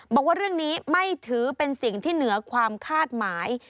บอกว่าเรื่องนี้ไม่ถือเป็นสิ่งที่เหนือความคาดหมาย